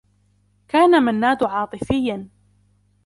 كان منّاد عاطفيّا.